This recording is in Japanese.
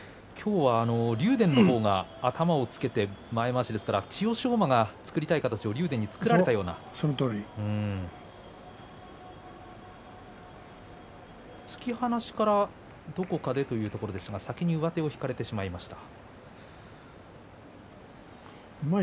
竜電の方が頭をつけて前まわしですから千代翔馬が作りたい形を竜電に作られたようなどこかでというところですが先に上手を引かれてしまいました。